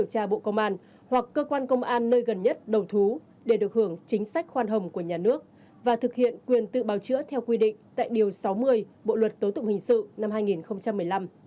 hoặc cơ quan công an nơi gần nhất đầu thú để được hưởng chính sách khoan hồng của nhà nước và thực hiện quyền tự bào chữa theo quy định tại điều sáu mươi bộ luật tố tụng hình sự năm hai nghìn một mươi năm